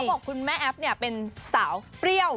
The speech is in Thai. แล้วเขาบอกคุณแม่แอฟเป็นสาวเปรี้ยว